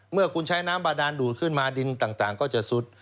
เมื่อคุณใช้น้ำบาดานดูดขึ้นมาดินต่างก็จะซุด